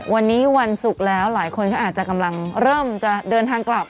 วันนี้วันศุกร์แล้วหลายคนก็อาจจะกำลังเริ่มจะเดินทางกลับ